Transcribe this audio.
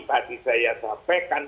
tadi saya sampaikan